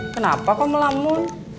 kenapa kau melamun